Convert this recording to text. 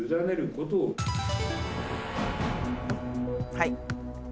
はい。